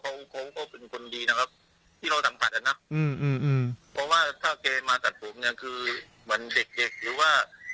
ผมก็เป็นคนดีนะครับถ้าเกมาตัดผมเนี่ยคือเหมือนหรือว่า